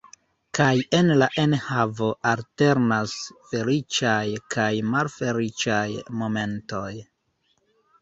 Kaj en la enhavo alternas feliĉaj kaj malfeliĉaj momentoj.